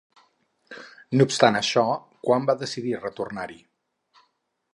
No obstant això, quan va decidir retornar-hi?